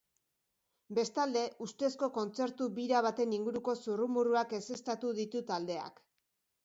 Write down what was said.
Bestalde, ustezko kontzertu bira baten inguruko zurrumurruak ezeztatu ditu taldeak.